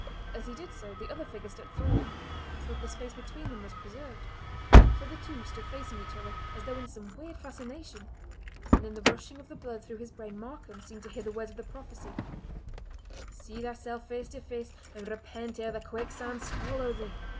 As he did so the other figure stepped forward, so that the space between them was preserved. So the two stood facing each other, as though in some weird fascination; and in the rushing of the blood through his brain Markam seemed to hear the words of the prophecy: "See thyself face to face, and repent ere the quicksand swallow thee."